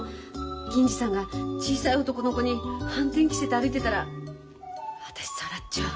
銀次さんが小さい男の子にはんてん着せて歩いてたら私さらっちゃう。